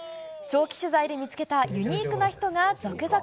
長期取材で見つけたユニークな人が続々。